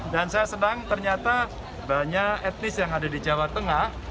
dan saya senang ternyata banyak etnis yang ada di jawa tengah